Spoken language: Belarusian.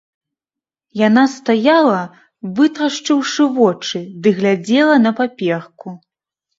Яна стаяла, вытрашчыўшы вочы, ды глядзела на паперку.